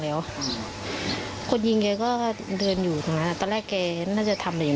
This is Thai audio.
แล้วคนยิงแกก็เดินอยู่ตรงนั้นตอนแรกแกน่าจะทำอะไรอยู่